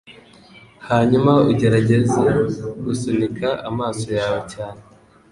hanyuma ugerageze gusunika amaso yawe cyane